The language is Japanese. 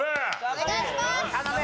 お願いします！